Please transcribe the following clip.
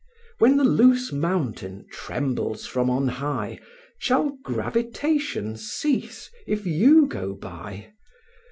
When the loose mountain trembles from on high, Shall gravitation cease, if you go by?